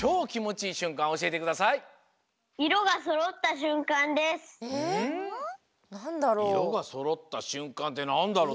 いろがそろったしゅんかんってなんだろう？